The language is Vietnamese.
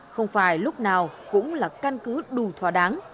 không phải lúc nào cũng là căn cứ đủ thỏa đáng